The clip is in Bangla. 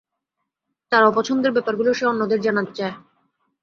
তার অপছন্দের ব্যাপারগুলো সে অন্যদের জানাতে চায়।